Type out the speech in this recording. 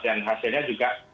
dan hasilnya juga